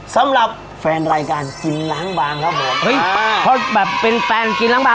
สำหรับแฟนรายการกินล้างบางครับผมเฮ้ยเพราะแบบเป็นแฟนกินล้างบาง